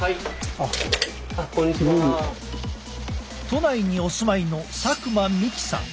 都内にお住まいの佐久間未来さん。